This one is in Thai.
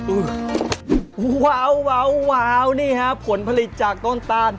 อื้ออื้ออื้อว้าวว้าวว้าวนี่ครับผลผลิตจากต้นตาล